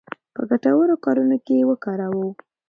په ګټورو کارونو کې یې وکاروو.